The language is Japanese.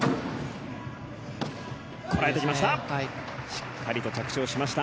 こらえてきました。